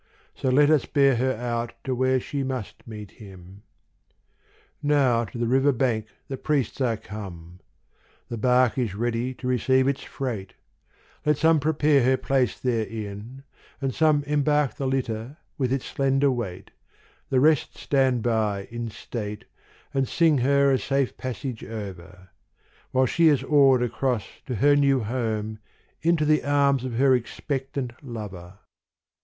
So let us bear her out where she must meet him. Now to the river bank the priests are come : The bark is ready to receive its freight : Let some prepare her place therein, and some Embark the litter with its slender weight : The rest stand by in state, And sing her a safe passage over; While she is oared across to her new home. Into the arms of her expectant lover.